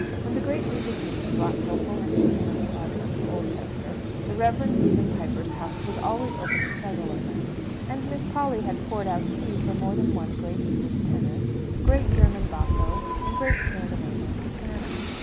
When the great music meeting brought vocal and instrumental artists to Oldchester, the Reverend Reuben Piper's house was always open to several of them; and Miss Polly had poured out tea for more than one great English tenor, great German basso, and great Scandinavian soprano.